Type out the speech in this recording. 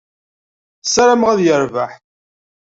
Ssarameɣ ad yerbeḥ.